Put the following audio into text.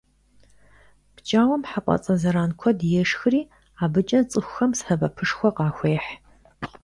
ПкӀауэм хьэпӀацӀэ зэран куэд ешхри абыкӀэ цӀыхухэм сэбэпышхуэ къахуехь.